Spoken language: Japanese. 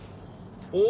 お！